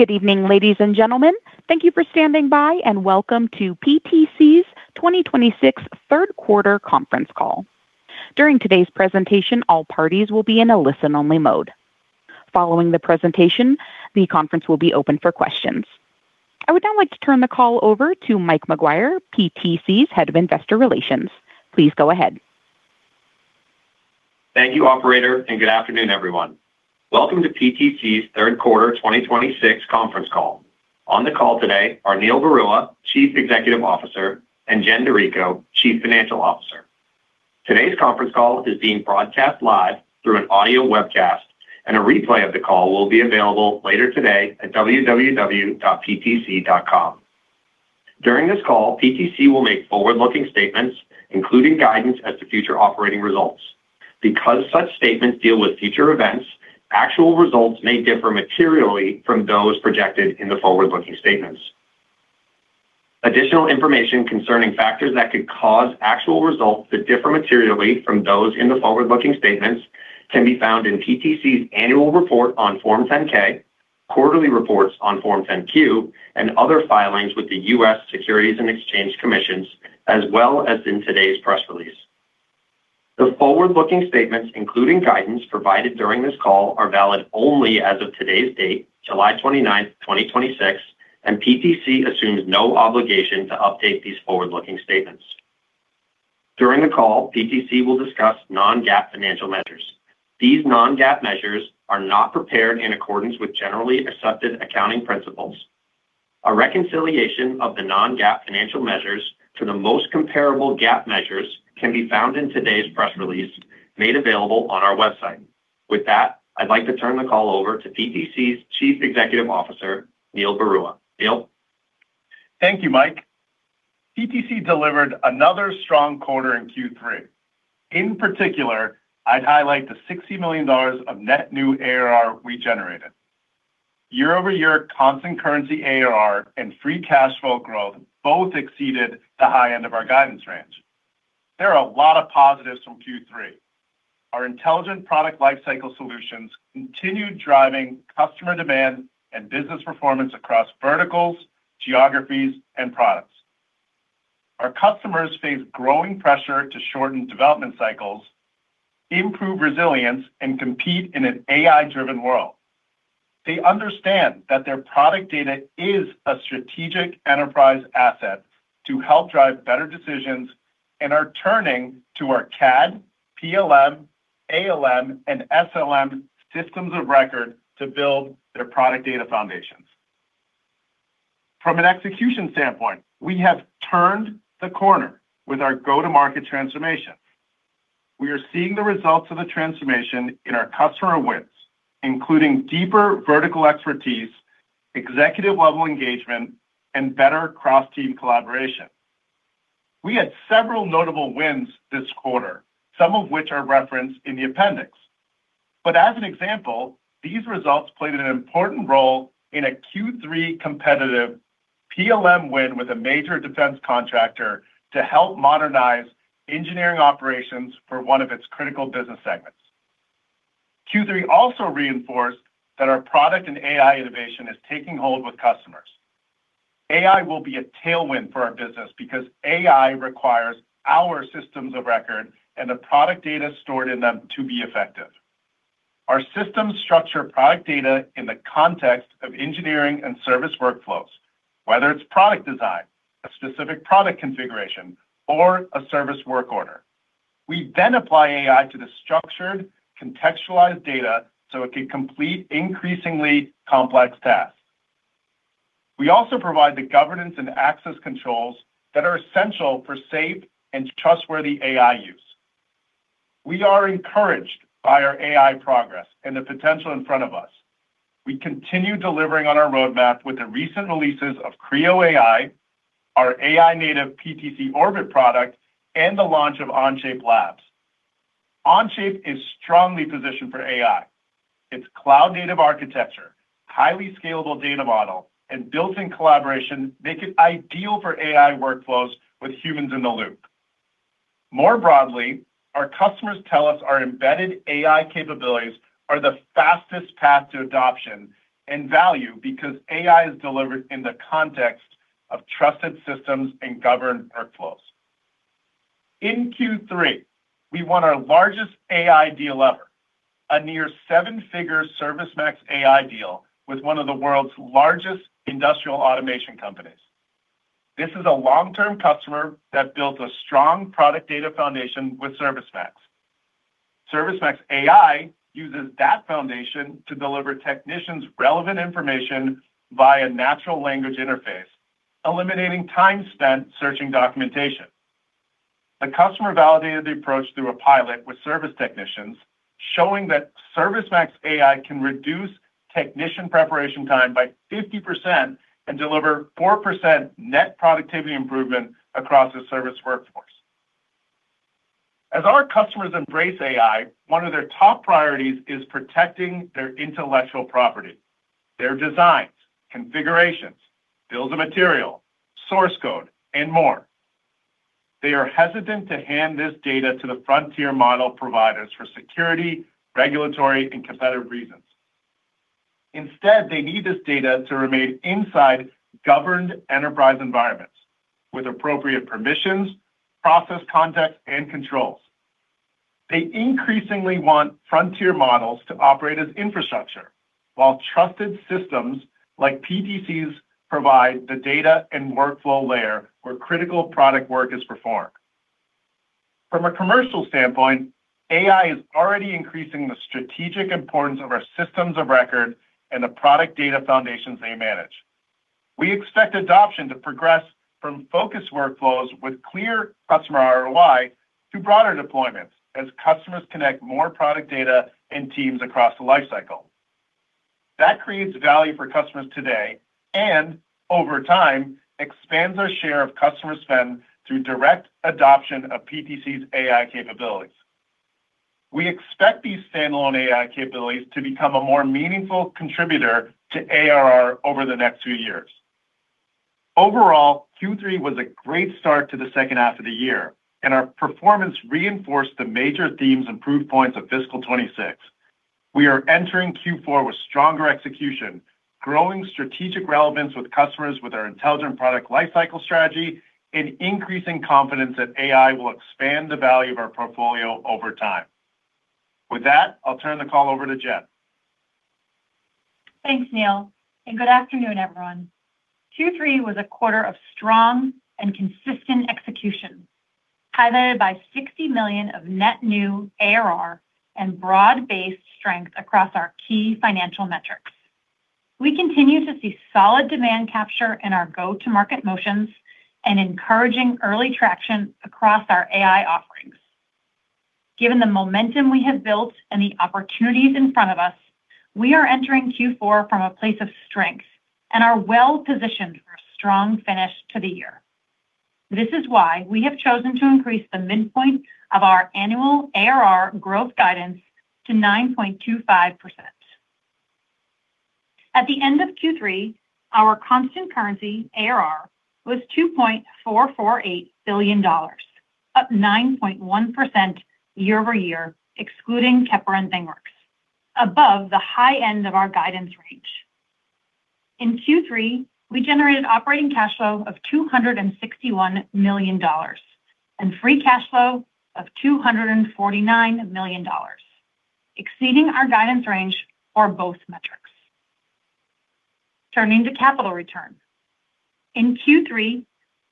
Good evening, ladies and gentlemen. Thank you for standing by, and welcome to PTC's 2026 third quarter conference call. During today's presentation, all parties will be in a listen-only mode. Following the presentation, the conference will be open for questions. I would now like to turn the call over to Mike Maguire, PTC's Head of Investor Relations. Please go ahead. Thank you, operator, and good afternoon, everyone. Welcome to PTC's third quarter 2026 conference call. On the call today are Neil Barua, Chief Executive Officer, and Jen DiRico, Chief Financial Officer. Today's conference call is being broadcast live through an audio webcast, and a replay of the call will be available later today at www.ptc.com. During this call, PTC will make forward-looking statements, including guidance as to future operating results. Because such statements deal with future events, actual results may differ materially from those projected in the forward-looking statements. Additional information concerning factors that could cause actual results to differ materially from those in the forward-looking statements can be found in PTC's annual report on Form 10-K, quarterly reports on Form 10-Q, and other filings with the U.S. Securities and Exchange Commission, as well as in today's press release. The forward-looking statements, including guidance provided during this call, are valid only as of today's date, July 29th, 2026, and PTC assumes no obligation to update these forward-looking statements. During the call, PTC will discuss non-GAAP financial measures. These non-GAAP measures are not prepared in accordance with generally accepted accounting principles. A reconciliation of the non-GAAP financial measures to the most comparable GAAP measures can be found in today's press release made available on our website. With that, I'd like to turn the call over to PTC's Chief Executive Officer, Neil Barua. Neil? Thank you, Mike. PTC delivered another strong quarter in Q3. In particular, I'd highlight the $60 million of net new ARR we generated. Year-over-year constant currency ARR and free cash flow growth both exceeded the high end of our guidance range. There are a lot of positives from Q3. Our Intelligent Product Lifecycle solutions continued driving customer demand and business performance across verticals, geographies, and products. Our customers face growing pressure to shorten development cycles, improve resilience, and compete in an AI-driven world. They understand that their product data is a strategic enterprise asset to help drive better decisions and are turning to our CAD, PLM, ALM, and SLM systems of record to build their product data foundations. From an execution standpoint, we have turned the corner with our go-to-market transformation. We are seeing the results of the transformation in our customer wins, including deeper vertical expertise, executive-level engagement, and better cross-team collaboration. We had several notable wins this quarter, some of which are referenced in the appendix. As an example, these results played an important role in a Q3 competitive PLM win with a major defense contractor to help modernize engineering operations for one of its critical business segments. Q3 also reinforced that our product and AI innovation is taking hold with customers. AI will be a tailwind for our business because AI requires our systems of record and the product data stored in them to be effective. Our systems structure product data in the context of engineering and service workflows, whether it's product design, a specific product configuration, or a service work order. We apply AI to the structured, contextualized data so it can complete increasingly complex tasks. We also provide the governance and access controls that are essential for safe and trustworthy AI use. We are encouraged by our AI progress and the potential in front of us. We continue delivering on our roadmap with the recent releases of Creo AI, our AI native PTC Orbit product, and the launch of Onshape Labs. Onshape is strongly positioned for AI. Its cloud-native architecture, highly scalable data model, and built-in collaboration make it ideal for AI workflows with humans in the loop. More broadly, our customers tell us our embedded AI capabilities are the fastest path to adoption and value because AI is delivered in the context of trusted systems and governed workflows. In Q3, we won our largest AI deal ever, a near seven-figure ServiceMax AI deal with one of the world's largest industrial automation companies. This is a long-term customer that built a strong product data foundation with ServiceMax. ServiceMax AI uses that foundation to deliver technicians relevant information via natural language interface, eliminating time spent searching documentation. The customer validated the approach through a pilot with service technicians, showing that ServiceMax AI can reduce technician preparation time by 50% and deliver 4% net productivity improvement across the service workforce. As our customers embrace AI, one of their top priorities is protecting their intellectual property, their designs, configurations, bills of material, source code, and more. They are hesitant to hand this data to the frontier model providers for security, regulatory, and competitive reasons. Instead, they need this data to remain inside governed enterprise environments with appropriate permissions, process context, and controls. They increasingly want frontier models to operate as infrastructure while trusted systems like PTC's provide the data and workflow layer where critical product work is performed. From a commercial standpoint, AI is already increasing the strategic importance of our systems of record and the product data foundations they manage. We expect adoption to progress from focus workflows with clear customer ROI to broader deployments as customers connect more product data and teams across the lifecycle. That creates value for customers today, and over time, expands our share of customer spend through direct adoption of PTC's AI capabilities. We expect these standalone AI capabilities to become a more meaningful contributor to ARR over the next few years. Overall, Q3 was a great start to the second half of the year, and our performance reinforced the major themes and proof points of fiscal 2026. We are entering Q4 with stronger execution, growing strategic relevance with customers with our Intelligent Product Lifecycle strategy, and increasing confidence that AI will expand the value of our portfolio over time. With that, I'll turn the call over to Jen. Thanks, Neil, and good afternoon, everyone. Q3 was a quarter of strong and consistent execution, highlighted by $60 million of net new ARR and broad-based strength across our key financial metrics. We continue to see solid demand capture in our go-to-market motions and encouraging early traction across our AI offerings. Given the momentum we have built and the opportunities in front of us, we are entering Q4 from a place of strength and are well-positioned for a strong finish to the year. This is why we have chosen to increase the midpoint of our annual ARR growth guidance to 9.25%. At the end of Q3, our constant currency ARR was $2.448 billion, up 9.1% year-over-year, excluding Kepware and ThingWorx, above the high end of our guidance range. In Q3, we generated operating cash flow of $261 million and free cash flow of $249 million, exceeding our guidance range for both metrics. Turning to capital return. In Q3,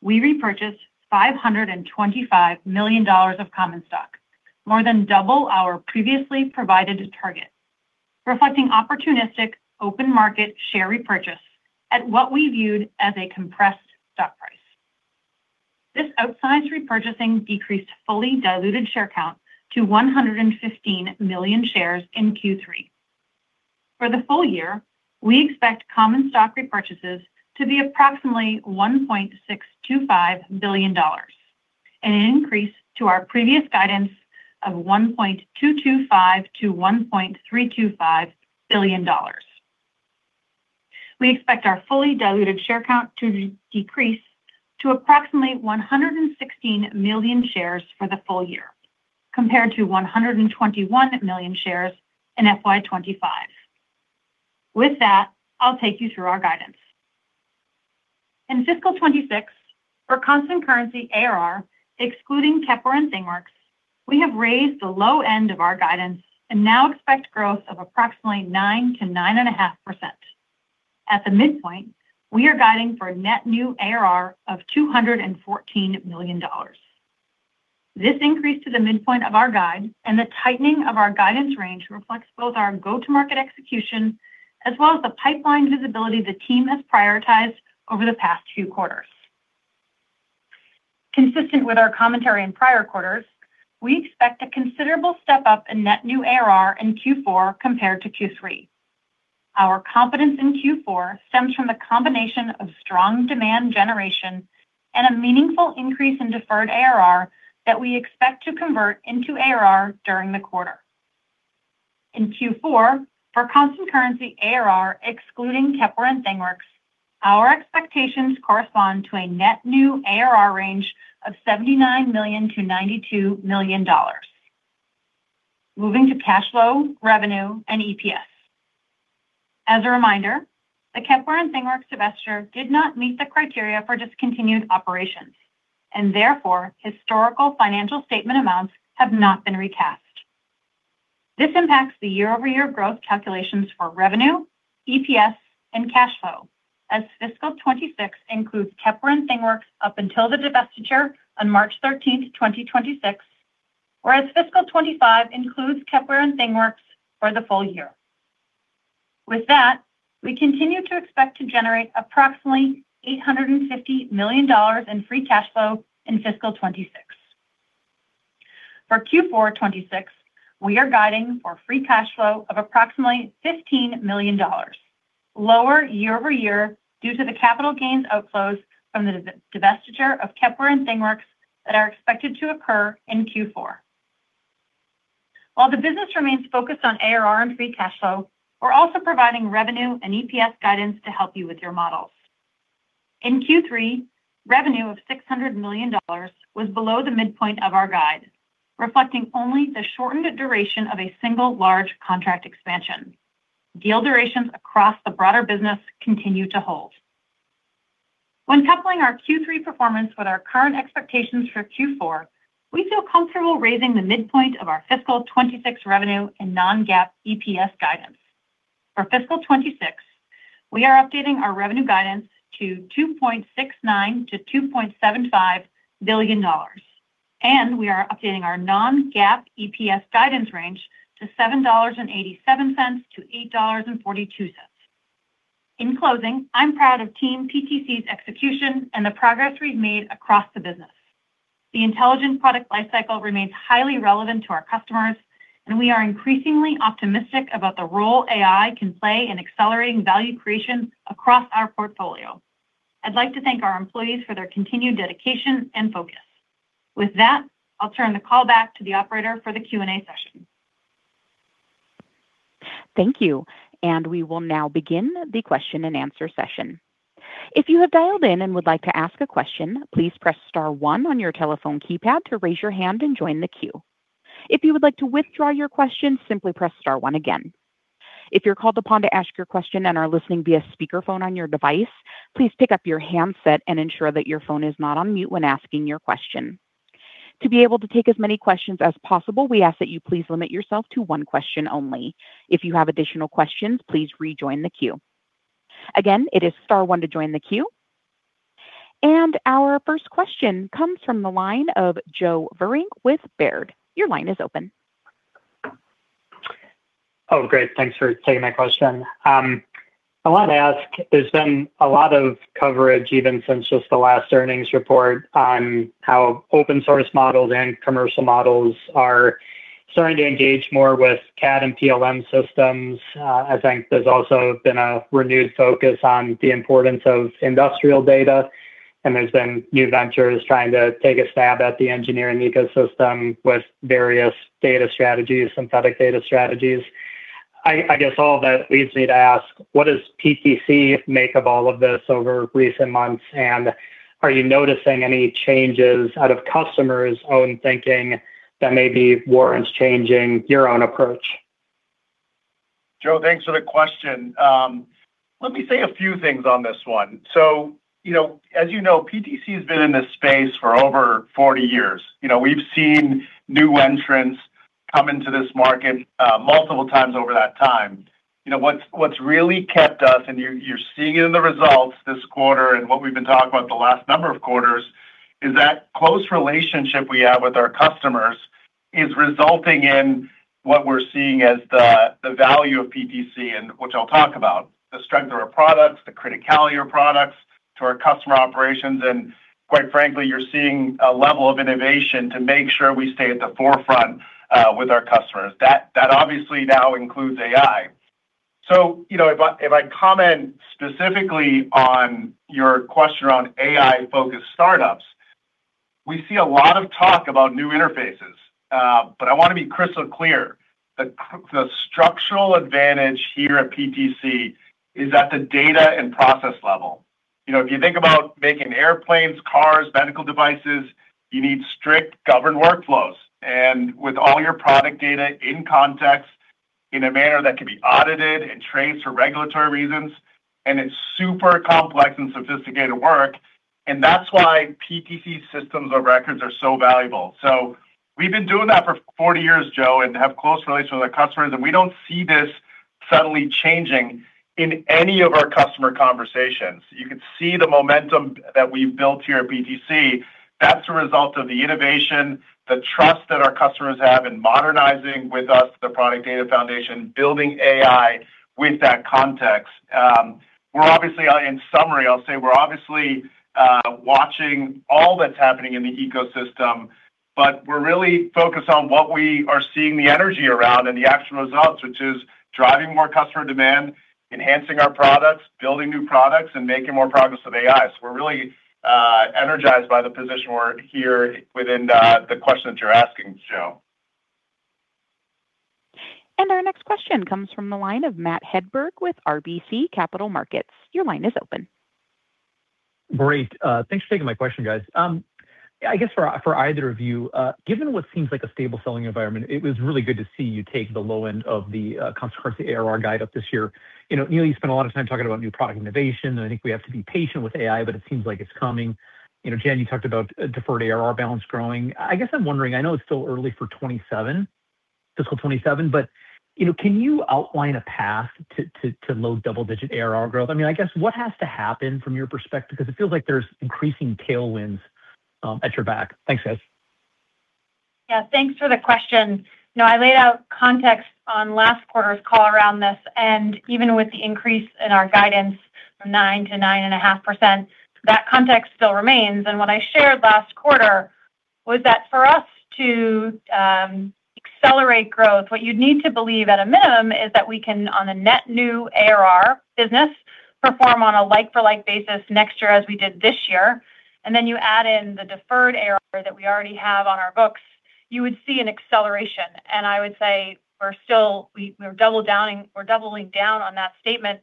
we repurchased $525 million of common stock, more than double our previously provided target, reflecting opportunistic open market share repurchase at what we viewed as a compressed stock price. This outsized repurchasing decreased fully diluted share count to 115 million shares in Q3. For the full year, we expect common stock repurchases to be approximately $1.625 billion, an increase to our previous guidance of $1.225 billion-$1.325 billion. We expect our fully diluted share count to decrease to approximately 116 million shares for the full year, compared to 121 million shares in FY 2025. With that, I'll take you through our guidance. In fiscal 2026, for constant currency ARR, excluding Kepware and ThingWorx, we have raised the low end of our guidance and now expect growth of approximately 9%-9.5%. At the midpoint, we are guiding for net new ARR of $214 million. This increase to the midpoint of our guide and the tightening of our guidance range reflects both our go-to-market execution as well as the pipeline visibility the team has prioritized over the past two quarters. Consistent with our commentary in prior quarters, we expect a considerable step-up in net new ARR in Q4 compared to Q3. Our confidence in Q4 stems from the combination of strong demand generation and a meaningful increase in deferred ARR that we expect to convert into ARR during the quarter. In Q4, for constant currency ARR, excluding Kepware and ThingWorx, our expectations correspond to a net new ARR range of $79 million-$92 million. Moving to cash flow, revenue, and EPS. As a reminder, the Kepware and ThingWorx divestiture did not meet the criteria for discontinued operations. Therefore, historical financial statement amounts have not been recast. This impacts the year-over-year growth calculations for revenue, EPS, and cash flow as fiscal 2026 includes Kepware and ThingWorx up until the divestiture on March 13th, 2026, whereas fiscal 2025 includes Kepware and ThingWorx for the full year. With that, we continue to expect to generate approximately $850 million in free cash flow in fiscal 2026. For Q4 2026, we are guiding for free cash flow of approximately $15 million, lower year-over-year due to the capital gains outflows from the divestiture of Kepware and ThingWorx that are expected to occur in Q4. The business remains focused on ARR and free cash flow, we're also providing revenue and EPS guidance to help you with your models. In Q3, revenue of $600 million was below the midpoint of our guide, reflecting only the shortened duration of a single large contract expansion. Deal durations across the broader business continue to hold. Coupling our Q3 performance with our current expectations for Q4, we feel comfortable raising the midpoint of our fiscal 2026 revenue and non-GAAP EPS guidance. For fiscal 2026, we are updating our revenue guidance to $2.69 billion-$2.75 billion. We are updating our non-GAAP EPS guidance range to $7.87-$8.42. In closing, I'm proud of team PTC's execution and the progress we've made across the business. The Intelligent Product Lifecycle remains highly relevant to our customers. We are increasingly optimistic about the role AI can play in accelerating value creation across our portfolio. I'd like to thank our employees for their continued dedication and focus. With that, I'll turn the call back to the operator for the Q&A session. Thank you. We will now begin the question-and-answer session. If you have dialed in and would like to ask a question, please press star one on your telephone keypad to raise your hand and join the queue. If you would like to withdraw your question, simply press star one again. If you're called upon to ask your question and are listening via speakerphone on your device, please pick up your handset and ensure that your phone is not on mute when asking your question. To be able to take as many questions as possible, we ask that you please limit yourself to one question only. If you have additional questions, please rejoin the queue. It is star one to join the queue. Our first question comes from the line of Joe Vruwink with Baird. Your line is open. Oh, great. Thanks for taking my question. I wanted to ask, there's been a lot of coverage even since just the last earnings report on how open source models and commercial models are starting to engage more with CAD and PLM systems. I think there's also been a renewed focus on the importance of industrial data, and there's been new ventures trying to take a stab at the engineering ecosystem with various data strategies, synthetic data strategies. I guess all that leads me to ask, what does PTC make of all of this over recent months? Are you noticing any changes out of customers' own thinking that maybe warrants changing your own approach? Joe, thanks for the question. Let me say a few things on this one. As you know, PTC has been in this space for over 40 years. We've seen new entrants come into this market multiple times over that time. What's really kept us, and you're seeing it in the results this quarter and what we've been talking about the last number of quarters, is that close relationship we have with our customers is resulting in what we're seeing as the value of PTC, and which I'll talk about, the strength of our products, the criticality of our products to our customer operations. Quite frankly, you're seeing a level of innovation to make sure we stay at the forefront with our customers. That obviously now includes AI. If I comment specifically on your question around AI-focused startups, we see a lot of talk about new interfaces. I want to be crystal clear. The structural advantage here at PTC is at the data and process level. If you think about making airplanes, cars, medical devices, you need strict governed workflows, and with all your product data in context in a manner that can be audited and traced for regulatory reasons, and it's super complex and sophisticated work, and that's why PTC's systems of records are so valuable. We've been doing that for 40 years, Joe, and have close relations with our customers, and we don't see this suddenly changing in any of our customer conversations. You can see the momentum that we've built here at PTC. That's a result of the innovation, the trust that our customers have in modernizing with us, the product data foundation, building AI with that context. In summary, I'll say we're obviously watching all that's happening in the ecosystem, but we're really focused on what we are seeing the energy around and the actual results, which is driving more customer demand, enhancing our products, building new products, and making more progress with AI. We're really energized by the position we're in here within the question that you're asking, Joe. Our next question comes from the line of Matt Hedberg with RBC Capital Markets. Your line is open. Great. Thanks for taking my question, guys. I guess for either of you, given what seems like a stable selling environment, it was really good to see you take the low end of the constant currency ARR guide up this year. Neil, you spent a lot of time talking about new product innovation, and I think we have to be patient with AI, but it seems like it's coming. Jen, you talked about deferred ARR balance growing. I guess I'm wondering, I know it's still early for fiscal 2027, but can you outline a path to low double-digit ARR growth? I guess what has to happen from your perspective? Because it feels like there's increasing tailwinds at your back. Thanks, guys. Yeah. Thanks for the question. I laid out context on last quarter's call around this, even with the increase in our guidance from 9%-9.5%, that context still remains. What I shared last quarter was that for us to accelerate growth, what you'd need to believe at a minimum is that we can, on the net new ARR business perform on a like for like basis next year as we did this year, then you add in the deferred ARR that we already have on our books, you would see an acceleration. I would say we're doubling down on that statement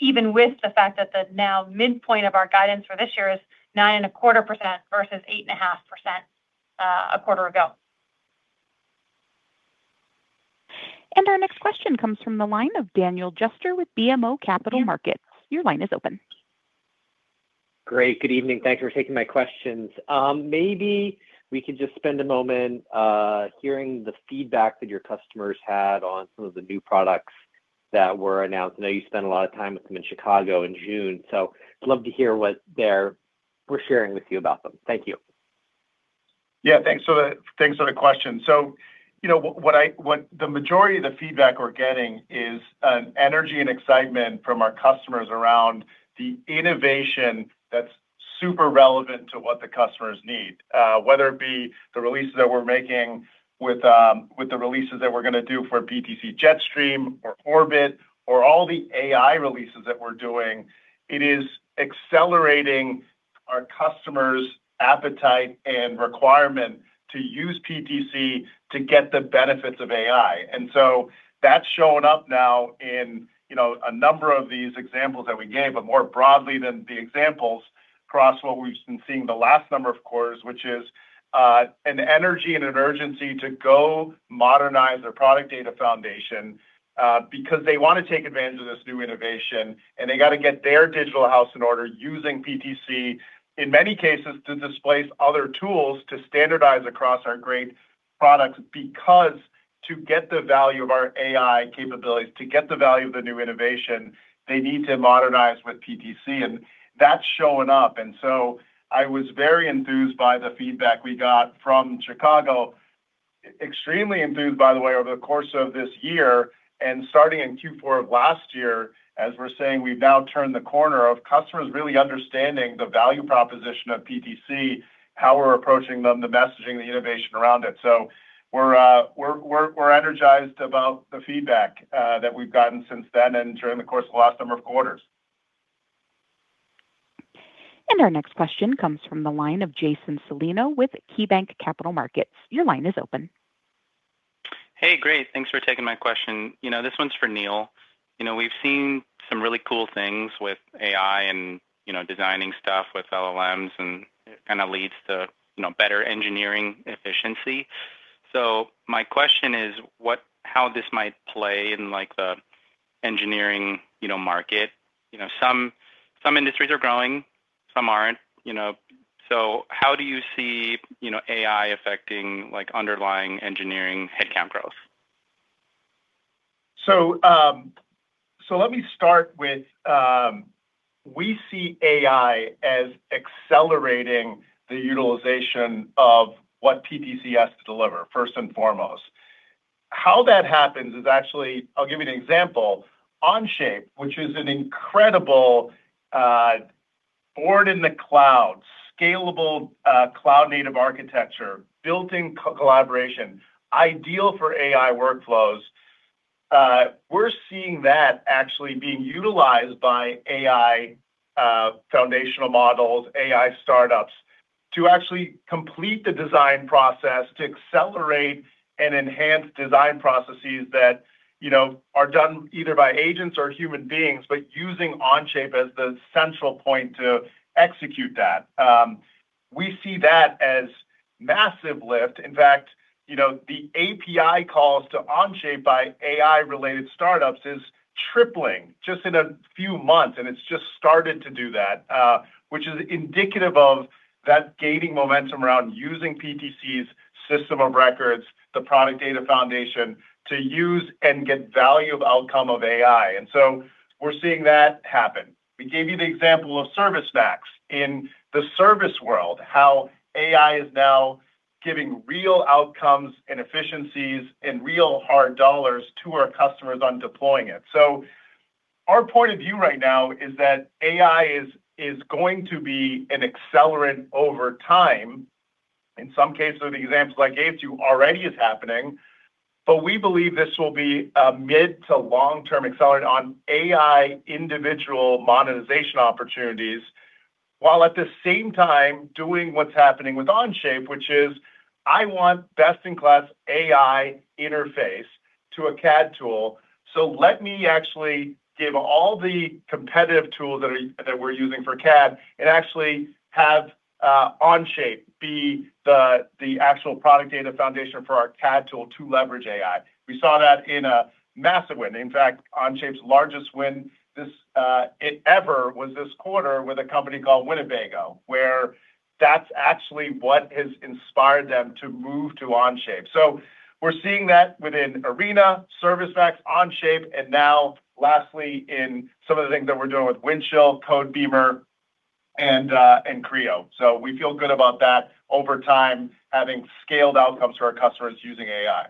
even with the fact that the now midpoint of our guidance for this year is 9.25% versus 8.5% a quarter ago. Our next question comes from the line of Daniel Jester with BMO Capital Markets. Your line is open. Great. Good evening. Thank you for taking my questions. Maybe we could just spend a moment hearing the feedback that your customers had on some of the new products that were announced. I know you spent a lot of time with them in Chicago in June. I'd love to hear what they were sharing with you about them. Thank you. Thanks for the question. The majority of the feedback we're getting is an energy and excitement from our customers around the innovation that's super relevant to what the customers need. Whether it be the releases that we're making with the releases that we're going to do for PTC Jetstream, or Orbit, or all the AI releases that we're doing. It is accelerating our customers' appetite and requirement to use PTC to get the benefits of AI. That's showing up now in a number of these examples that we gave, but more broadly than the examples across what we've been seeing the last number of quarters, which is an energy and an urgency to go modernize their product data foundation, because they want to take advantage of this new innovation, and they got to get their digital house in order using PTC in many cases to displace other tools to standardize across our great products. To get the value of our AI capabilities, to get the value of the new innovation, they need to modernize with PTC. That's showing up. I was very enthused by the feedback we got from Chicago. Extremely enthused, by the way, over the course of this year. Starting in Q4 of last year, as we're saying, we've now turned the corner of customers really understanding the value proposition of PTC, how we're approaching them, the messaging, the innovation around it. We're energized about the feedback that we've gotten since then and during the course of the last number of quarters. Our next question comes from the line of Jason Celino with KeyBanc Capital Markets. Your line is open. Hey, great. Thanks for taking my question. This one's for Neil. We've seen some really cool things with AI and designing stuff with LLMs, it kind of leads to better engineering efficiency. My question is how this might play in the engineering market. Some industries are growing, some aren't. How do you see AI affecting underlying engineering headcount growth? Let me start with, we see AI as accelerating the utilization of what PTC has to deliver, first and foremost. How that happens is actually, I'll give you an example. Onshape, which is an incredible board in the cloud, scalable cloud native architecture, built in collaboration, ideal for AI workflows. We're seeing that actually being utilized by AI foundational models, AI startups, to actually complete the design process, to accelerate and enhance design processes that are done either by agents or human beings, but using Onshape as the central point to execute that. We see that as massive lift. In fact, the API calls to Onshape by AI related startups is tripling just in a few months, it's just started to do that, which is indicative of that gaining momentum around using PTC's system of records, the product data foundation, to use and get value of outcome of AI. We're seeing that happen. We gave you the example of ServiceMax in the service world, how AI is now giving real outcomes and efficiencies and real hard dollars to our customers on deploying it. Our point of view right now is that AI is going to be an accelerant over time. In some cases, the examples I gave to you already is happening. We believe this will be a mid- to long-term accelerant on AI individual monetization opportunities, while at the same time doing what's happening with Onshape, which is I want best-in-class AI interface to a CAD tool. Let me actually give all the competitive tools that we're using for CAD and actually have Onshape be the actual product data foundation for our CAD tool to leverage AI. We saw that in a massive win. In fact, Onshape's largest win it ever was this quarter with a company called Winnebago, where that's actually what has inspired them to move to Onshape. We're seeing that within Arena, ServiceMax, Onshape, and now lastly in some of the things that we're doing with Windchill, Codebeamer, and Creo. We feel good about that over time, having scaled outcomes for our customers using AI.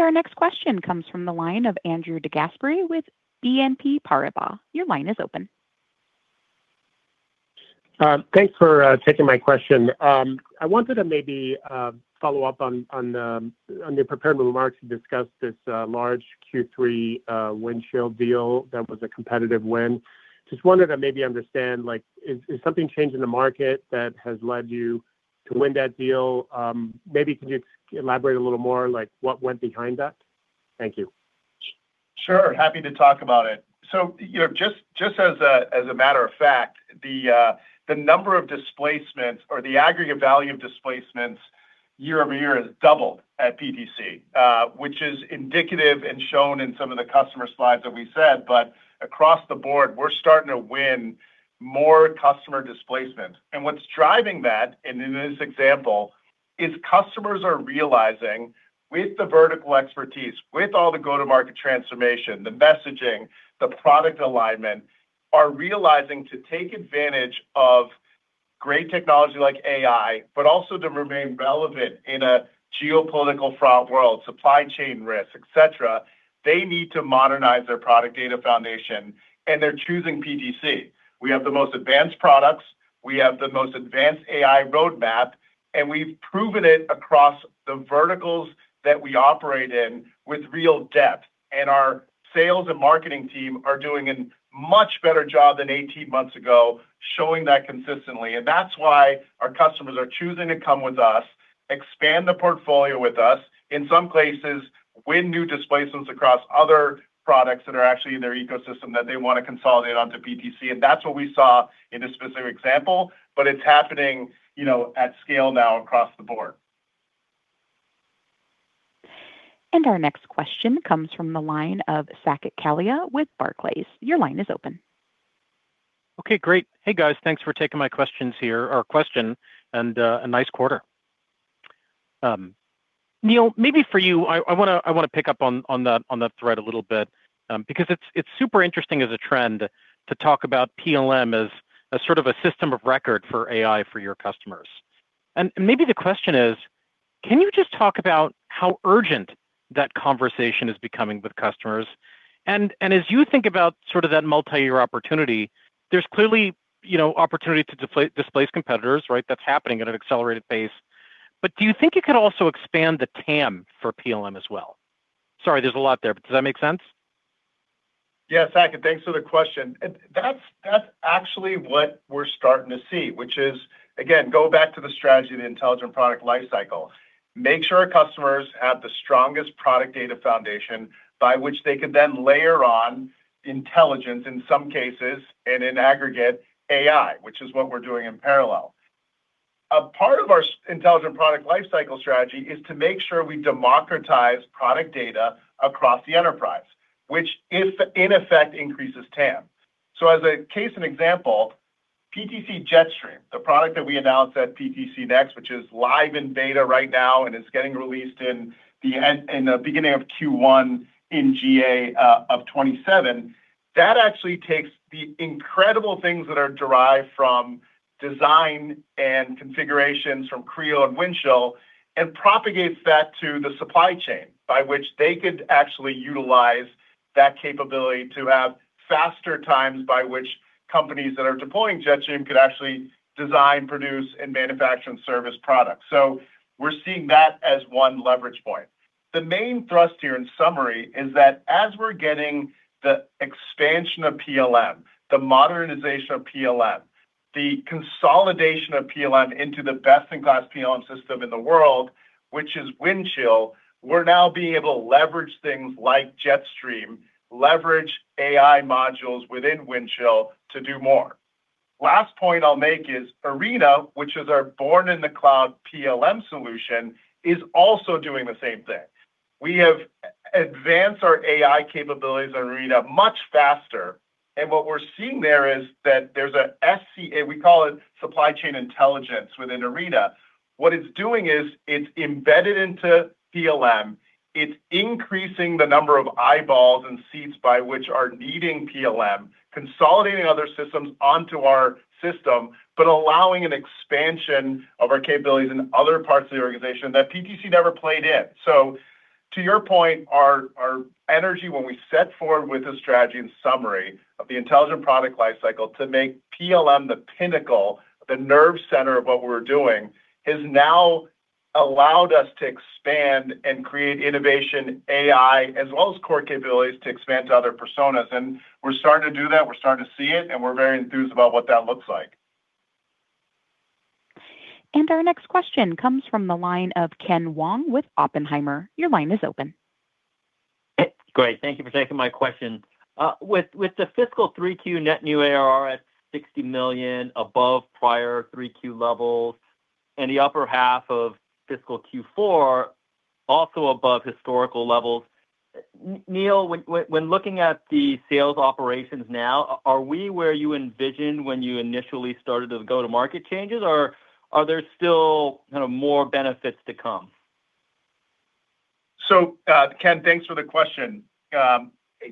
Our next question comes from the line of Andrew DeGasperi with BNP Paribas. Your line is open. Thanks for taking my question. I wanted to maybe follow-up on the prepared remarks. You discussed this large Q3 Windchill deal that was a competitive win. Just wanted to maybe understand, is something changing the market that has led you to win that deal? Maybe can you elaborate a little more, like what went behind that? Thank you. Sure. Happy to talk about it. Just as a matter of fact, the number of displacements or the aggregate value of displacements year-over-year has doubled at PTC, which is indicative and shown in some of the customer slides that we said. Across the board, we're starting to win more customer displacement. What's driving that, and in this example, is customers are realizing with the vertical expertise, with all the go-to-market transformation, the messaging, the product alignment, are realizing to take advantage of great technology like AI, but also to remain relevant in a geopolitical fraught world, supply chain risk, et cetera. They need to modernize their product data foundation, and they're choosing PTC. We have the most advanced products, we have the most advanced AI roadmap, and we've proven it across the verticals that we operate in with real depth. Our sales and marketing team are doing a much better job than 18 months ago, showing that consistently. That's why our customers are choosing to come with us, expand the portfolio with us, in some cases, win new displacements across other products that are actually in their ecosystem that they want to consolidate onto PTC. That's what we saw in this specific example. It's happening at scale now across the board. Our next question comes from the line of Saket Kalia with Barclays. Your line is open. Okay, great. Hey, guys. Thanks for taking my questions here, or question, and a nice quarter. Neil, maybe for you, I want to pick up on the thread a little bit, because it's super interesting as a trend to talk about PLM as a system of record for AI for your customers. Maybe the question is, can you just talk about how urgent that conversation is becoming with customers? As you think about that multi-year opportunity, there's clearly opportunity to displace competitors, right? That's happening at an accelerated pace. Do you think you could also expand the TAM for PLM as well? Sorry, there's a lot there, but does that make sense? Yeah, Saket, thanks for the question. That's actually what we're starting to see, which is, again, go back to the strategy of the Intelligent Product Lifecycle. Make sure our customers have the strongest product data foundation by which they could then layer on intelligence in some cases, and in aggregate AI, which is what we're doing in parallel. A part of our Intelligent Product Lifecycle strategy is to make sure we democratize product data across the enterprise. If in effect increases TAM. As a case in example, PTC Jetstream, the product that we announced at PTC Next, which is live in beta right now, and it's getting released in the beginning of Q1 in GA of 2027. That actually takes the incredible things that are derived from design and configurations from Creo and Windchill, and propagates that to the supply chain by which they could actually utilize that capability to have faster times by which companies that are deploying Jetstream could actually design, produce, and manufacture and service products. We're seeing that as one leverage point. The main thrust here, in summary, is that as we're getting the expansion of PLM, the modernization of PLM, the consolidation of PLM into the best-in-class PLM system in the world, which is Windchill. We're now being able to leverage things like Jetstream, leverage AI modules within Windchill to do more. Last point I'll make is Arena, which is our born-in-the-cloud PLM solution, is also doing the same thing. We have advanced our AI capabilities on Arena much faster, and what we're seeing there is that there's a SCI, we call it supply chain intelligence within Arena. What it's doing is it's embedded into PLM. It's increasing the number of eyeballs and seats by which are needing PLM, consolidating other systems onto our system, but allowing an expansion of our capabilities in other parts of the organization that PTC never played in. To your point, our energy when we set forward with the strategy and summary of the Intelligent Product Lifecycle to make PLM the pinnacle, the nerve center of what we're doing, has now allowed us to expand and create innovation AI, as well as core capabilities to expand to other personas. We're starting to do that. We're starting to see it, and we're very enthused about what that looks like. Our next question comes from the line of Ken Wong with Oppenheimer. Your line is open. Great. Thank you for taking my question. With the fiscal Q3 net new ARR at $60 million above prior Q3 levels and the upper half of fiscal Q4 also above historical levels. Neil, when looking at the sales operations now, are we where you envisioned when you initially started the go-to-market changes, or are there still more benefits to come? Ken, thanks for the question.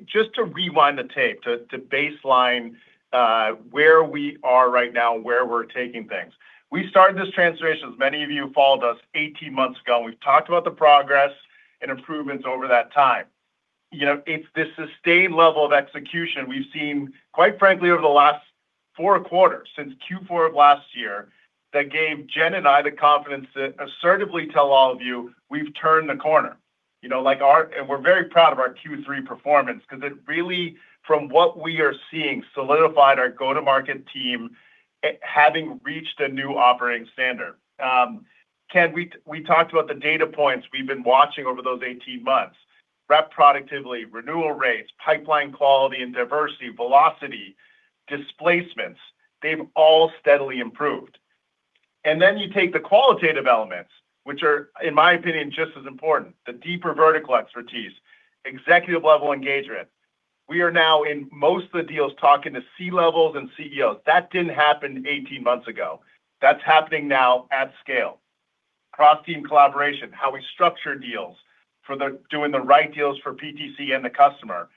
Just to rewind the tape to baseline where we are right now and where we're taking things. We started this transformation, as many of you followed us, 18 months ago, and we've talked about the progress and improvements over that time. It's this sustained level of execution we've seen, quite frankly, over the last four quarters, since Q4 of last year, that gave Jen and I the confidence to assertively tell all of you we've turned the corner. We're very proud of our Q3 performance because it really, from what we are seeing, solidified our go-to-market team having reached a new operating standard. Ken, we talked about the data points we've been watching over those 18 months. Rep productivity, renewal rates, pipeline quality and diversity, velocity, displacements, they've all steadily improved. Then you take the qualitative elements, which are, in my opinion, just as important. The deeper vertical expertise, executive level engagement. We are now in most of the deals talking to C-levels and CEOs. That didn't happen 18 months ago. That's happening now at scale. Cross-team collaboration, how we structure deals, doing the right deals for PTC and the customer,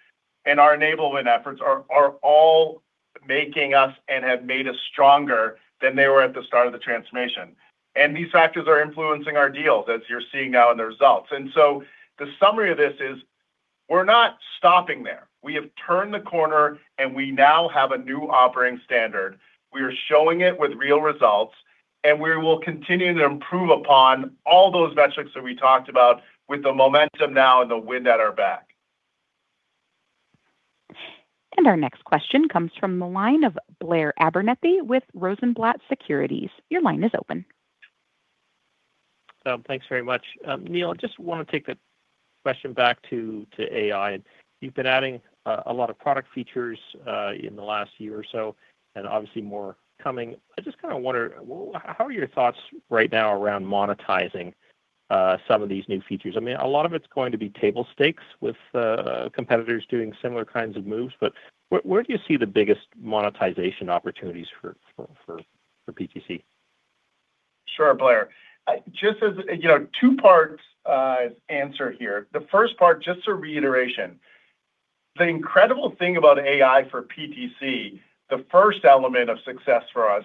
and our enablement efforts are all making us, and have made us stronger than they were at the start of the transformation. These factors are influencing our deals, as you're seeing now in the results. The summary of this is we're not stopping there. We have turned the corner, and we now have a new operating standard. We are showing it with real results, and we will continue to improve upon all those metrics that we talked about with the momentum now and the wind at our back. Our next question comes from the line of Blair Abernethy with Rosenblatt Securities. Your line is open. Thanks very much. Neil, I just want to take the question back to AI. You've been adding a lot of product features in the last year or so, and obviously more coming. I just kind of wonder, how are your thoughts right now around monetizing some of these new features? A lot of it's going to be table stakes with competitors doing similar kinds of moves, but where do you see the biggest monetization opportunities for PTC? Sure, Blair. Two parts answer here. The first part, just a reiteration. The incredible thing about AI for PTC, the first element of success for us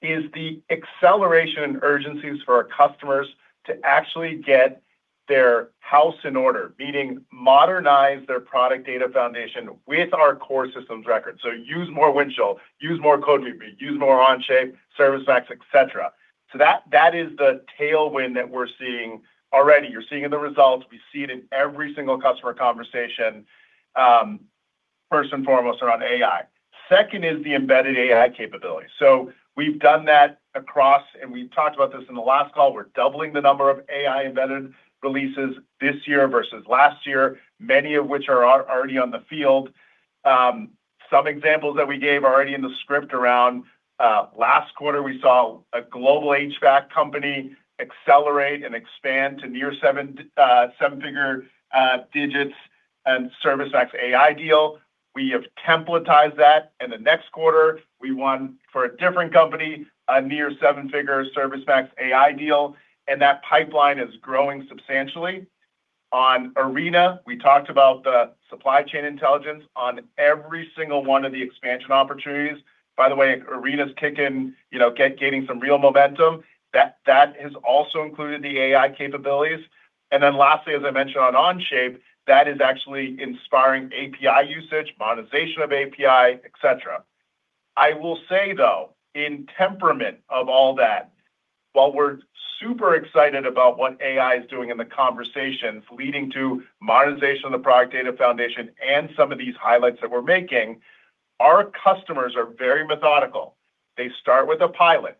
is the acceleration and urgencies for our customers to actually get their house in order. Meaning modernize their product data foundation with our core systems records. Use more Windchill, use more Codebeamer, use more Onshape, ServiceMax, et cetera. That is the tailwind that we're seeing already. You're seeing in the results. We see it in every single customer conversation, first and foremost, around AI. Second is the embedded AI capability. We've done that across, and we talked about this in the last call. We're doubling the number of AI-embedded releases this year versus last year, many of which are already on the field. Some examples that we gave already in the script around last quarter, we saw a global HVAC company accelerate and expand to near seven-figure digits in ServiceMax AI deal. We have templatized that. In the next quarter, we won for a different company, a near seven-figure ServiceMax AI deal, and that pipeline is growing substantially. On Arena, we talked about the supply chain intelligence on every single one of the expansion opportunities. By the way, Arena's kicking, gaining some real momentum. That has also included the AI capabilities. Lastly, as I mentioned on Onshape, that is actually inspiring API usage, monetization of API, et cetera. I will say, though, in temperament of all that, while we're super excited about what AI is doing in the conversations leading to monetization of the product data foundation and some of these highlights that we're making, our customers are very methodical. They start with a pilot.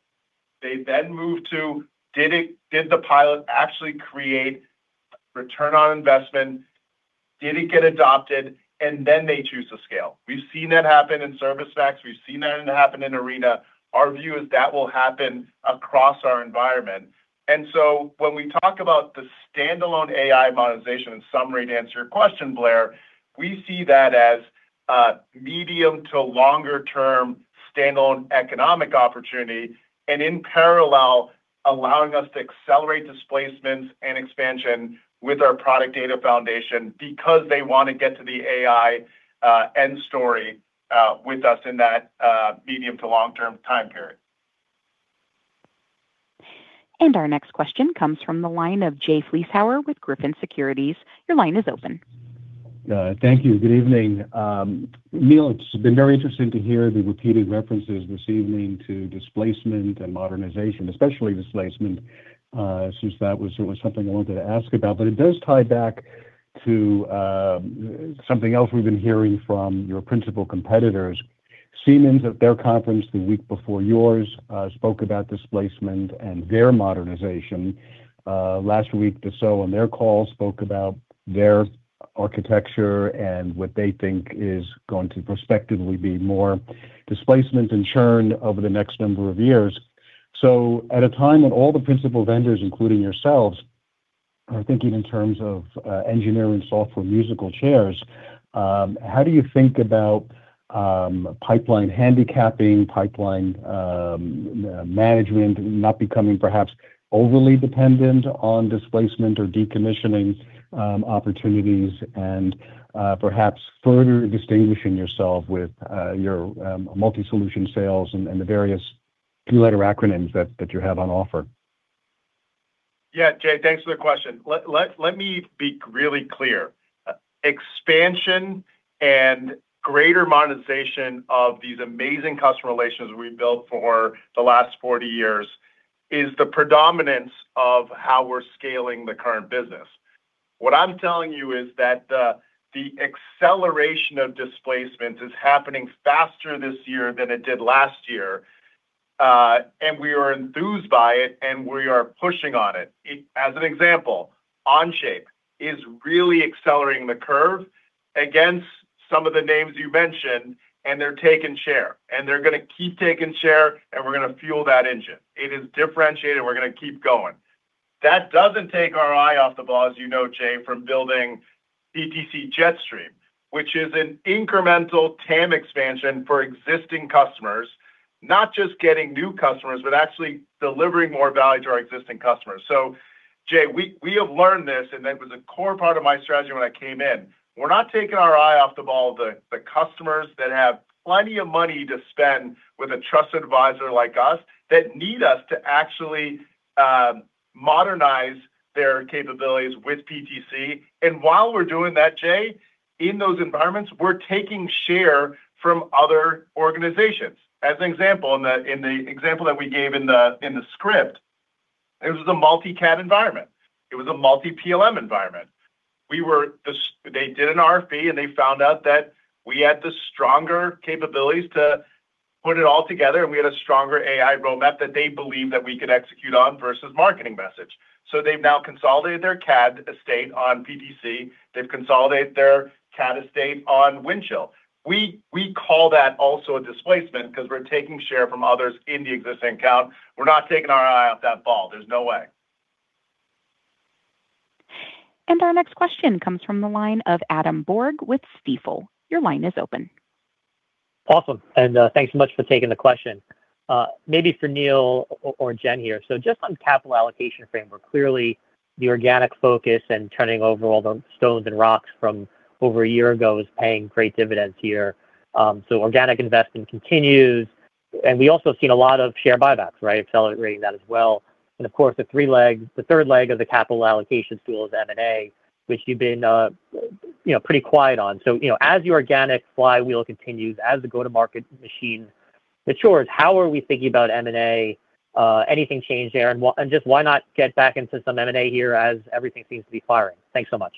They then move to, did the pilot actually create return on investment? Did it get adopted? They then choose to scale. We've seen that happen in ServiceMax. We've seen that happen in Arena. Our view is that will happen across our environment. When we talk about the standalone AI monetization, in summary, to answer your question, Blair, we see that as a medium- to longer-term standalone economic opportunity, and in parallel, allowing us to accelerate displacements and expansion with our product data foundation because they want to get to the AI end story with us in that medium- to long-term time period. Our next question comes from the line of Jay Vleeschhouwer with Griffin Securities. Your line is open. Thank you. Good evening. Neil, it's been very interesting to hear the repeated references this evening to displacement and modernization, especially displacement, since that was certainly something I wanted to ask about. It does tie back to something else we've been hearing from your principal competitors. Siemens at their conference the week before yours spoke about displacement and their modernization. Last week, Dassault on their call spoke about their architecture and what they think is going to prospectively be more displacement and churn over the next number of years. At a time when all the principal vendors, including yourselves, are thinking in terms of engineering software musical chairs, how do you think about pipeline handicapping, pipeline management, not becoming perhaps overly dependent on displacement or decommissioning opportunities, and perhaps further distinguishing yourself with your multi-solution sales and the various two-letter acronyms that you have on offer? Jay, thanks for the question. Let me be really clear. Expansion and greater monetization of these amazing customer relations we've built for the last 40 years is the predominance of how we're scaling the current business. What I'm telling you is that the acceleration of displacement is happening faster this year than it did last year. We are enthused by it, and we are pushing on it. As an example, Onshape is really accelerating the curve against some of the names you mentioned, and they're taking share. They're going to keep taking share, and we're going to fuel that engine. It is differentiated. We're going to keep going. That doesn't take our eye off the ball, as you know, Jay, from building PTC Jetstream, which is an incremental TAM expansion for existing customers, not just getting new customers, but actually delivering more value to our existing customers. Jay, we have learned this, and it was a core part of my strategy when I came in. We're not taking our eye off the ball. The customers that have plenty of money to spend with a trusted advisor like us, that need us to actually modernize their capabilities with PTC. While we're doing that, Jay, in those environments, we're taking share from other organizations. As an example, in the example that we gave in the script, it was a multi-CAD environment. It was a multi-PLM environment. They did an RFP, and they found out that we had the stronger capabilities to put it all together, and we had a stronger AI roadmap that they believed that we could execute on versus marketing message. They've now consolidated their CAD estate on PTC. They've consolidated their CAD estate on Windchill. We call that also a displacement because we're taking share from others in the existing account. We're not taking our eye off that ball. There's no way. Our next question comes from the line of Adam Borg with Stifel. Your line is open. Awesome. Thanks so much for taking the question. Maybe for Neil or Jen here. Just on capital allocation framework, clearly the organic focus and turning over all the stones and rocks from over a year ago is paying great dividends here. Organic investing continues. We also have seen a lot of share buybacks, right? Accelerating that as well. Of course, the third leg of the capital allocation tool is M&A, which you've been pretty quiet on. As the organic flywheel continues, as the go-to-market machine matures, how are we thinking about M&A? Anything change there? Just why not get back into some M&A here as everything seems to be firing? Thanks so much.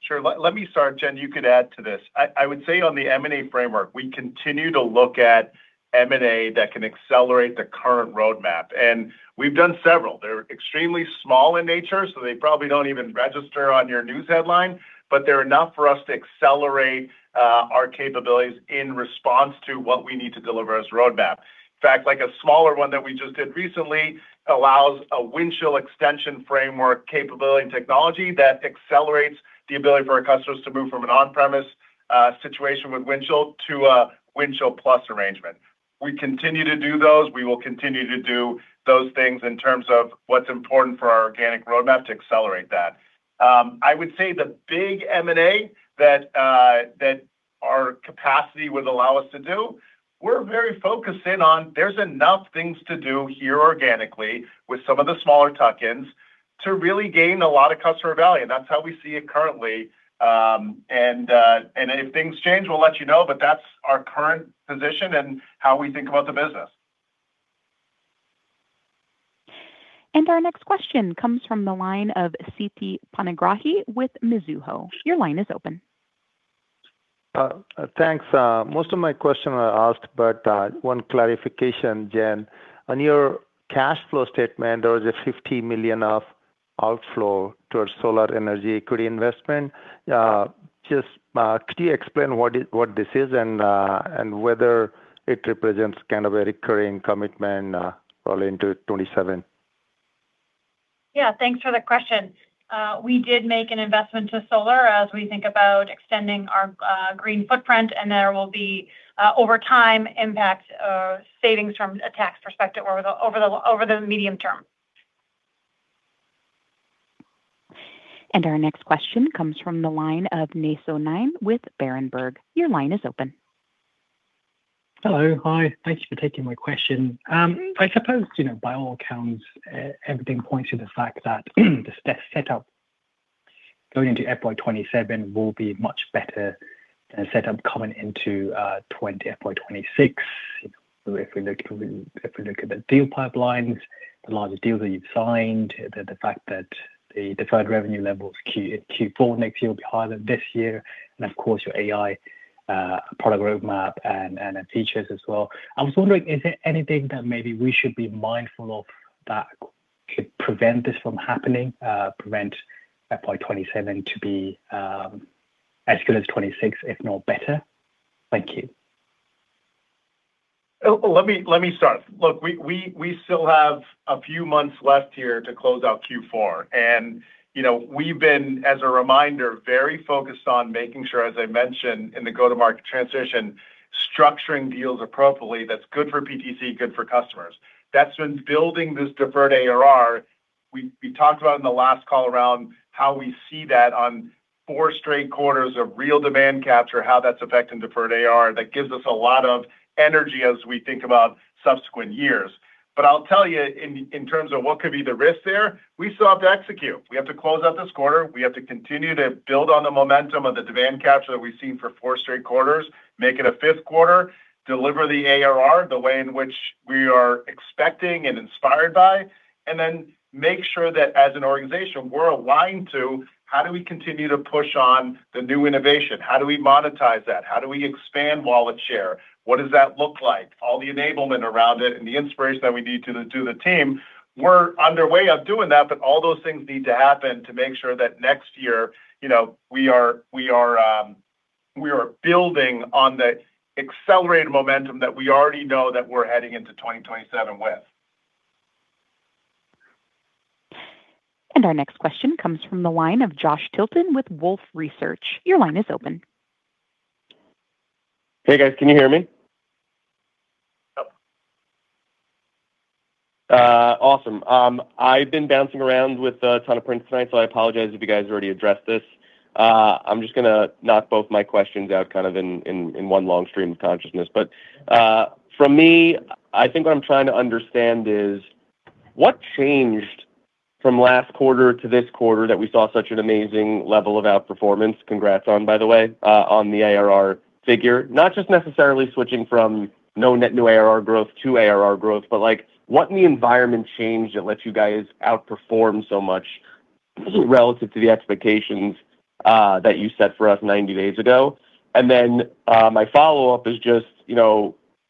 Sure. Let me start. Jen, you could add to this. I would say on the M&A framework, we continue to look at M&A that can accelerate the current roadmap, and we've done several. They're extremely small in nature, so they probably don't even register on your news headline, but they're enough for us to accelerate our capabilities in response to what we need to deliver as roadmap. In fact, like a smaller one that we just did recently allows a Windchill extension framework capability and technology that accelerates the ability for our customers to move from an on-premise situation with Windchill to a Windchill+ arrangement. We continue to do those. We will continue to do those things in terms of what's important for our organic roadmap to accelerate that. I would say the big M&A that our capacity would allow us to do, we're very focused in on there's enough things to do here organically with some of the smaller tuck-ins to really gain a lot of customer value. That's how we see it currently. If things change, we'll let you know, but that's our current position and how we think about the business. Our next question comes from the line of Siti Panigrahi with Mizuho. Your line is open. Thanks. Most of my question was asked, but one clarification, Jen. On your cash flow statement, there was a $50 million of outflow towards solar energy equity investment. Just could you explain what this is and whether it represents kind of a recurring commitment probably into 2027? Yeah, thanks for the question. We did make an investment to solar as we think about extending our green footprint, there will be, over time, impact savings from a tax perspective over the medium-term. Our next question comes from the line of Nay Soe Naing with Berenberg. Your line is open. Hello. Hi. Thank you for taking my question. I suppose, by all accounts, everything points to the fact that this setup going into FY 2027 will be much better than the setup coming into FY 2026. If we look at the deal pipelines, the larger deals that you've signed, the fact that the deferred revenue levels Q4 next year will be higher than this year, and of course, your AI product roadmap, and features as well. I was wondering, is anything that maybe we should be mindful of that could prevent this from happening, prevent FY 2027 to be as good as 2026, if not better? Thank you. Let me start. We still have a few months left here to close out Q4, and we've been, as a reminder, very focused on making sure, as I mentioned, in the go-to-market transition, structuring deals appropriately that's good for PTC, good for customers. That's been building this deferred ARR. We talked about in the last call around how we see that on four straight quarters of real demand capture, how that's affecting deferred ARR, that gives us a lot of energy as we think about subsequent years. I'll tell you in terms of what could be the risk there, we still have to execute. We have to close out this quarter. We have to continue to build on the momentum of the demand capture that we've seen for four straight quarters, make it a fifth quarter, deliver the ARR the way in which we are expecting and inspired by, then make sure that as an organization, we're aligned to how do we continue to push on the new innovation? How do we monetize that? How do we expand wallet share? What does that look like? All the enablement around it and the inspiration that we need to do the team, we're on their way of doing that, but all those things need to happen to make sure that next year, we are building on the accelerated momentum that we already know that we're heading into 2027 with. Our next question comes from the line of Josh Tilton with Wolfe Research. Your line is open. Hey, guys. Can you hear me? Yep. Awesome. I've been bouncing around with a ton of prints tonight, so I apologize if you guys already addressed this. I'm just going to knock both my questions out in one long stream of consciousness. For me, I think what I'm trying to understand is what changed from last quarter to this quarter that we saw such an amazing level of outperformance, congrats on, by the way, on the ARR figure, not just necessarily switching from no net new ARR growth to ARR growth, but what in the environment changed that lets you guys outperform so much relative to the expectations that you set for us 90 days ago? My follow-up is just,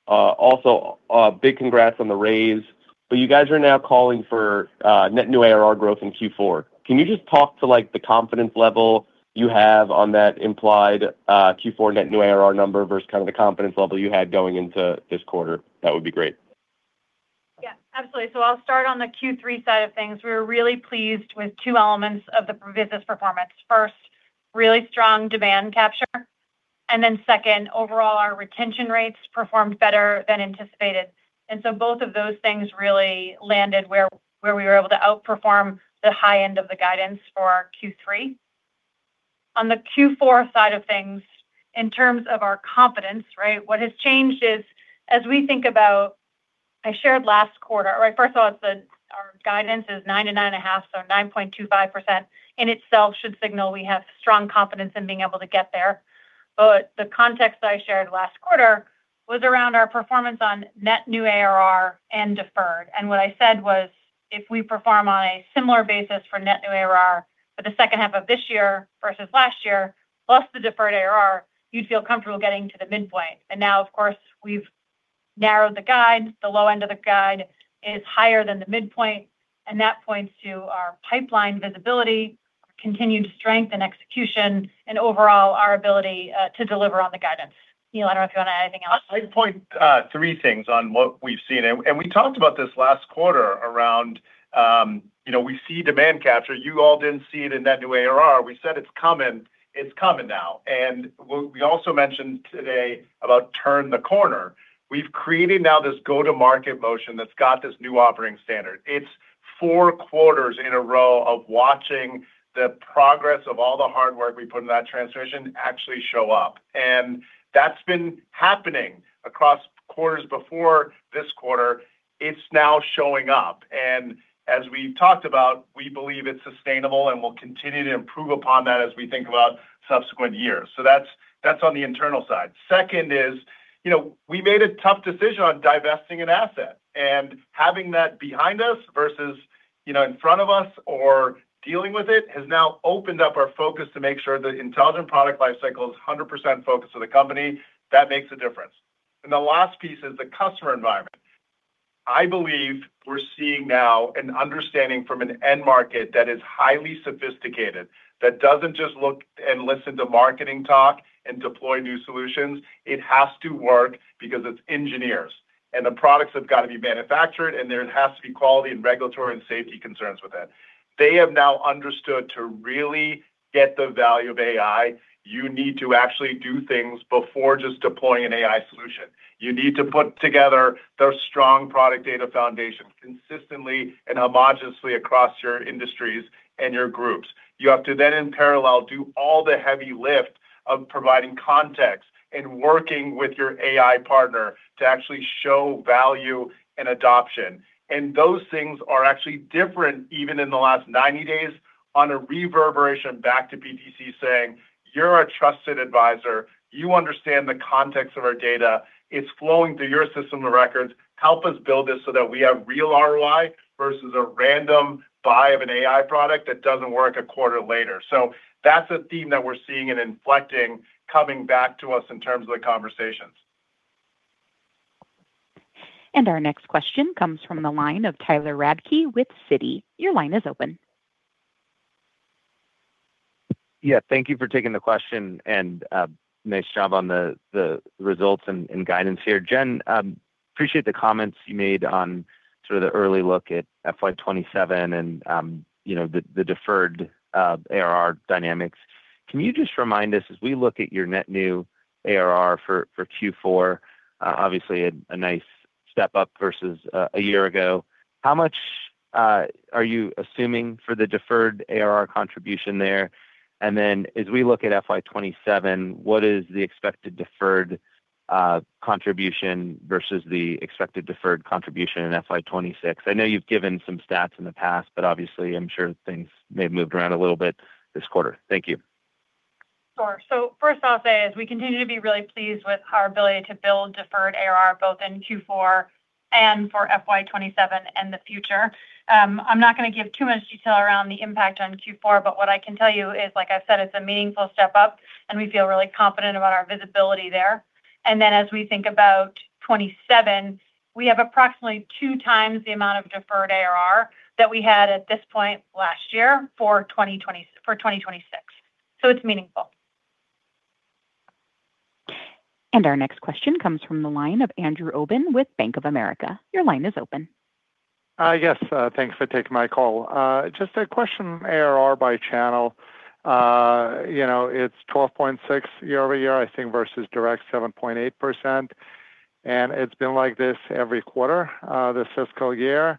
also a big congrats on the raise, but you guys are now calling for net new ARR growth in Q4. Can you just talk to the confidence level you have on that implied Q4 net new ARR number versus the confidence level you had going into this quarter? That would be great. Absolutely. I'll start on the Q3 side of things. We were really pleased with two elements of the business performance. First, really strong demand capture, then second, overall, our retention rates performed better than anticipated. Both of those things really landed where we were able to outperform the high end of the guidance for Q3. On the Q4 side of things, in terms of our confidence, right? What has changed is as we think about, I shared last quarter, or first of all, I said our guidance is 9%-9.5%, so 9.25% in itself should signal we have strong confidence in being able to get there. The context that I shared last quarter was around our performance on net new ARR and deferred. What I said was, if we perform on a similar basis for net new ARR for the second half of this year versus last year, plus the deferred ARR, you'd feel comfortable getting to the midpoint. Now, of course, we've narrowed the guide. The low end of the guide is higher than the midpoint, that points to our pipeline visibility, continued strength and execution, and overall our ability to deliver on the guidance. Neil, I don't know if you want to add anything else. I'd point three things on what we've seen. We talked about this last quarter around, we see demand capture. You all didn't see it in net new ARR. We said it's coming. It's coming now. What we also mentioned today about turn the corner. We've created now this go-to-market motion that's got this new operating standard. It's four quarters in a row of watching the progress of all the hard work we put in that transition actually show up. That's been happening across quarters before this quarter. It's now showing up. As we've talked about, we believe it's sustainable, and we'll continue to improve upon that as we think about subsequent years. That's on the internal side. Second is, we made a tough decision on divesting an asset. Having that behind us versus in front of us or dealing with it, has now opened up our focus to make sure the Intelligent Product Lifecycle is 100% focused on the company. That makes a difference. The last piece is the customer environment. I believe we're seeing now an understanding from an end market that is highly sophisticated, that doesn't just look and listen to marketing talk and deploy new solutions. It has to work because it's engineers, and the products have got to be manufactured, and there has to be quality and regulatory and safety concerns with it. They have now understood to really get the value of AI, you need to actually do things before just deploying an AI solution. You need to put together the strong product data foundation consistently and homogeneously across your industries and your groups. You have to then, in parallel, do all the heavy lift of providing context and working with your AI partner to actually show value and adoption. Those things are actually different even in the last 90 days on a reverberation back to PTC saying, "You're our trusted advisor. You understand the context of our data. It's flowing through your system of records. Help us build this so that we have real ROI versus a random buy of an AI product that doesn't work a quarter later." That's a theme that we're seeing and inflecting coming back to us in terms of the conversations. Our next question comes from the line of Tyler Radke with Citi. Your line is open. Thank you for taking the question, and nice job on the results and guidance here. Jen, appreciate the comments you made on sort of the early look at FY 2027 and the deferred ARR dynamics. Can you just remind us as we look at your net new ARR for Q4, obviously a nice step up versus a year ago. Are you assuming for the deferred ARR contribution there? Then as we look at FY 2027, what is the expected deferred contribution versus the expected deferred contribution in FY 2026? I know you've given some stats in the past, but obviously I'm sure things may have moved around a little bit this quarter. Thank you. Sure. First I'll say is we continue to be really pleased with our ability to build deferred ARR both in Q4 and for FY 2027 and the future. I'm not going to give too much detail around the impact on Q4, but what I can tell you is, like I said, it's a meaningful step up, and we feel really confident about our visibility there. Then as we think about 2027, we have approximately two times the amount of deferred ARR that we had at this point last year for 2026. It's meaningful. Our next question comes from the line of Andrew Obin with Bank of America. Your line is open. Yes, thanks for taking my call. Just a question, ARR by channel. It's 12.6% year-over-year, I think, versus direct 7.8%, and it's been like this every quarter this fiscal year.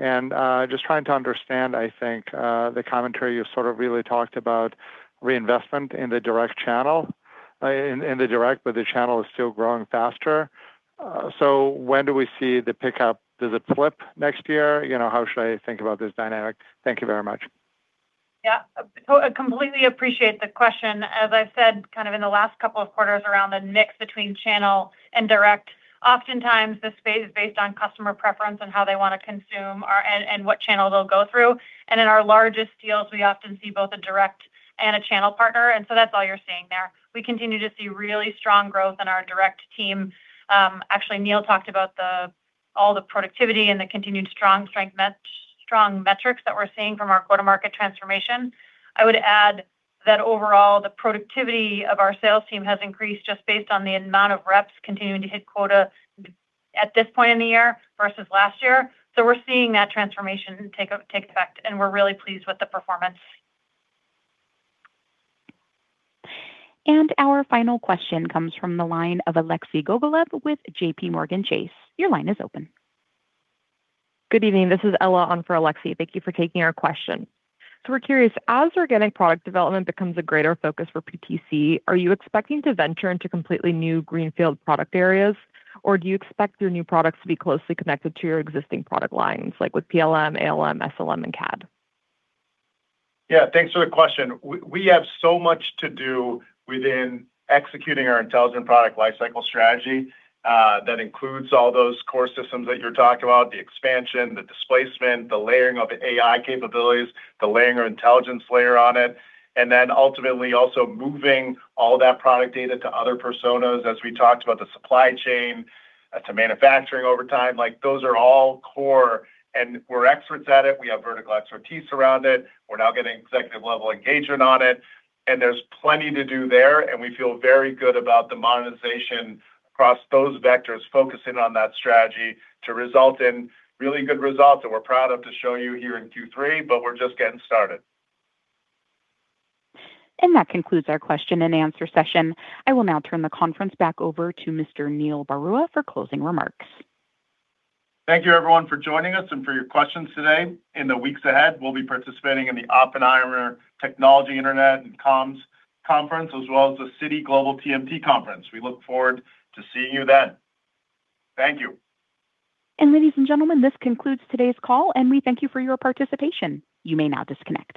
Just trying to understand, I think, the commentary you sort of really talked about reinvestment in the direct channel, in the direct, but the channel is still growing faster. When do we see the pickup? Does it flip next year? How should I think about this dynamic? Thank you very much. Yeah. I completely appreciate the question. As I've said kind of in the last couple of quarters around the mix between channel and direct, oftentimes this phase is based on customer preference and how they want to consume, and what channel they'll go through. In our largest deals, we often see both a direct and a channel partner. That's all you're seeing there. We continue to see really strong growth in our direct team. Actually, Neil talked about all the productivity and the continued strong metrics that we're seeing from our go-to-market transformation. I would add that overall the productivity of our sales team has increased just based on the amount of reps continuing to hit quota at this point in the year versus last year. We're seeing that transformation take effect, and we're really pleased with the performance. Our final question comes from the line of Alexei Gogolev with JPMorgan Chase. Your line is open. Good evening. This is Ella on for Alexei. Thank you for taking our question. We're curious, as organic product development becomes a greater focus for PTC, are you expecting to venture into completely new greenfield product areas, or do you expect your new products to be closely connected to your existing product lines, like with PLM, ALM, SLM, and CAD? Thanks for the question. We have so much to do within executing our Intelligent Product Lifecycle strategy. That includes all those core systems that you're talking about, the expansion, the displacement, the layering of AI capabilities, the layering our intelligence layer on it. Ultimately also moving all that product data to other personas as we talked about the supply chain to manufacturing over time. Those are all core. We're experts at it. We have vertical expertise around it. We're now getting executive level engagement on it. There's plenty to do there. We feel very good about the modernization across those vectors, focusing on that strategy to result in really good results that we're proud of to show you here in Q3. We're just getting started. That concludes our question-and-answer session. I will now turn the conference back over to Mr. Neil Barua for closing remarks. Thank you, everyone, for joining us and for your questions today. In the weeks ahead, we'll be participating in the Oppenheimer Technology, Internet & Comms Conference, as well as the Citi Global TMT Conference. We look forward to seeing you then. Thank you. Ladies and gentlemen, this concludes today's call, and we thank you for your participation. You may now disconnect.